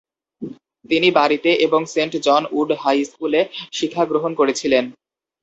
তিনি বাড়িতে এবং সেন্ট জন উড হাই স্কুলে শিক্ষা গ্রহণ করেছিলেন।